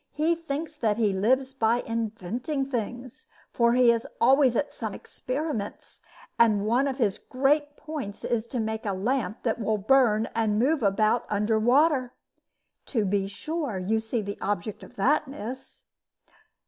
He thinks that he lives by inventing things, for he is always at some experiments, and one of his great points is to make a lamp that will burn and move about under water. To be sure you see the object of that, miss?"